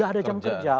tidak ada jam kerja